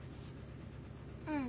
うん。